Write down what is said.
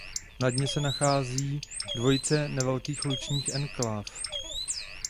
Na dně se nachází dvojice nevelkých lučních enkláv.